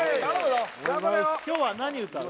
今日は何歌う？